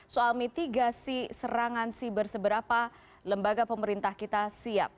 soal mitigasi serangan siber seberapa lembaga pemerintah kita siap